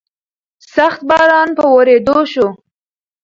سخت باران په ورېدو شو.